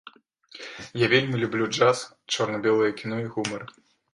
Я вельмі люблю джаз, чорна-белае кіно і гумар.